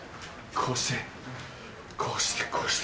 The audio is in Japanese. こうしてこうしてこうして。